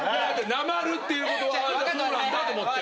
「なまる」っていうことはそうなんだと思って。